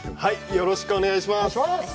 よろしくお願いします。